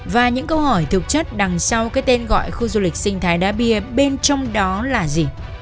và những câu hỏi thực chất đằng sau cái tên gọi khu du lịch sinh thái đá bia bên trong đó là gì